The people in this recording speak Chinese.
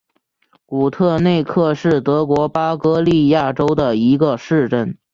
古特内克是德国巴伐利亚州的一个市镇。